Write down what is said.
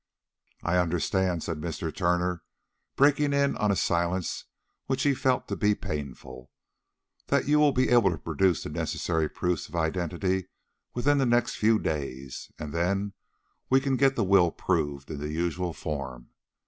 "I understand," said Mr. Turner, breaking in on a silence which he felt to be painful, "that you will be able to produce the necessary proofs of identity within the next few days, and then we can get the will proved in the usual form.